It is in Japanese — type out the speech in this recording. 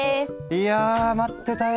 いや待ってたよ！